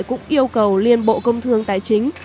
cũng yêu cầu liên bộ công thương tài chính